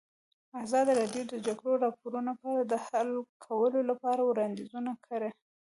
ازادي راډیو د د جګړې راپورونه په اړه د حل کولو لپاره وړاندیزونه کړي.